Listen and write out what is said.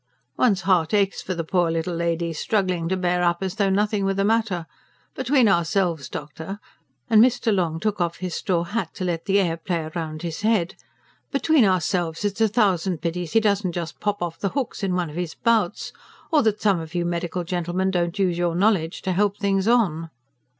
"One's heart aches for the poor little lady, struggling to bear up as though nothing were the matter. Between ourselves, doctor" and Mr. Long took off his straw hat to let the air play round his head "between ourselves, it's a thousand pities he doesn't just pop off the hooks in one of his bouts. Or that some of you medical gentlemen don't use your knowledge to help things on."